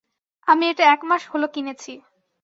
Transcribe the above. আমি এটা এক মাস হল কিনেছি।